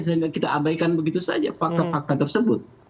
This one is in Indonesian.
sehingga kita abaikan begitu saja fakta fakta tersebut